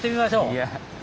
いや。